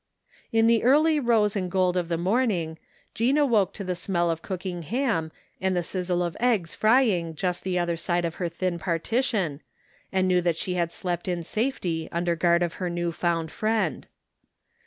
In the early rose and gold of the morning Jean awoke to the smell of cooking ham and the sizzle of eggs frying just the other side of her thin partition, and knew that she had slept in safety under guard of her new found friend.